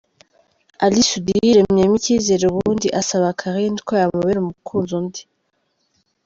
Ally Soudy yiremyemo icyizere ubundi asaba Carine ko yamubera umukunzi undi